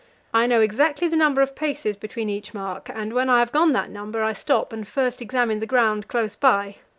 I know exactly the number of paces between each mark, and when I have gone that number, I stop and first examine the ground close by.